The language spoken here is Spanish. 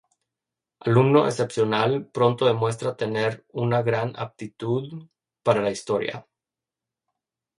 Alumno excepcional, pronto demuestra tener una gran aptitud para la Historia.